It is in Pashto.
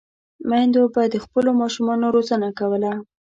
میندو به د خپلو ماشومانو روزنه کوله.